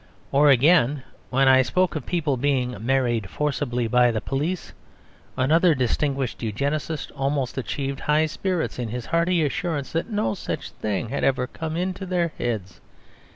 Or again, when I spoke of people "being married forcibly by the police," another distinguished Eugenist almost achieved high spirits in his hearty assurance that no such thing had ever come into their heads.